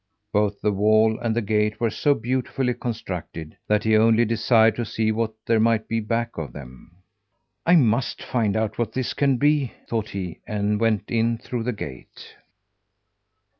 Both the wall and the gate were so beautifully constructed that he only desired to see what there might be back of them. "I must find out what this can be," thought he, and went in through the gate.